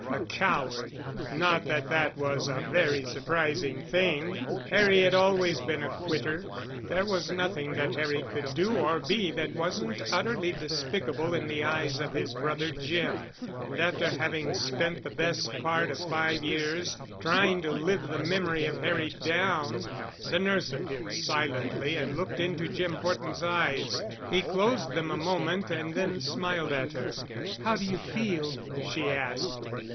A coward! Not that that was a very surprising thing. Harry had always been a quitter. There was nothing that Harry could do or be that wasn't utterly despicable in the eyes of his brother Jim, and after having spent the best part of five years trying to live the memory of Harry down—— The nurse appeared silently and looked into Jim Horton's eyes. He closed them a moment and then smiled at her. "How do you feel?" she asked.